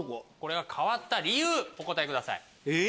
これが変わった理由お答えください。